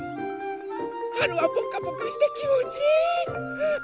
はるはぽかぽかしてきもちいい！